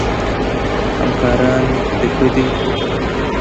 همکاران د ښه دي؟